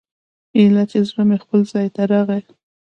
ايله چې زړه مې خپل ځاى ته راغى.